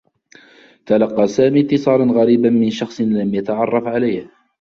تلقّى سامي اتّصالا غريبا من شخص لم يتعرّف عليه.